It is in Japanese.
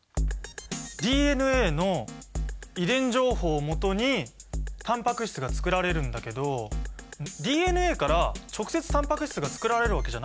ＤＮＡの遺伝情報をもとにタンパク質がつくられるんだけどＤＮＡから直接タンパク質がつくられるわけじゃないんだよね。